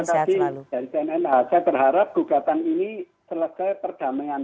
tapi dari cnn saya berharap gugatan ini selesai perdamaian